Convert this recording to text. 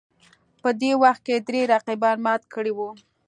په دې وخت کې درې رقیبان مات کړي وو